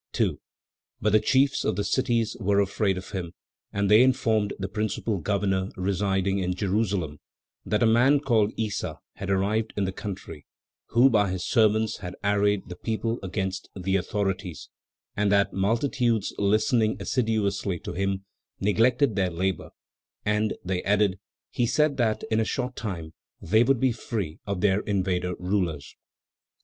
2. But the chiefs of the cities were afraid of him and they informed the principal governor, residing in Jerusalem, that a man called Issa had arrived in the country, who by his sermons had arrayed the people against the authorities, and that multitudes, listening assiduously to him, neglected their labor; and, they added, he said that in a short time they would be free of their invader rulers.